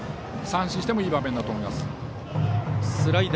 三振してもいい場面だと思います。